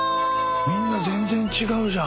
みんな全然違うじゃん！